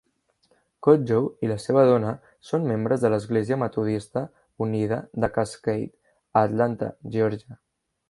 Kodjoe i la seva dona són membres de l'església metodista Unida de Cascade a Atlanta, Georgia.